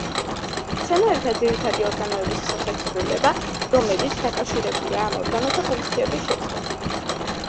მცენარეთა ძირითადი ორგანოების სახეცვლილება, რომელიც დაკავშირებულია ამ ორგანოთა ფუნქციების შეცვლასთან.